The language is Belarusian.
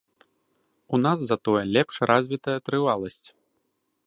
У нас затое лепш развітая трываласць.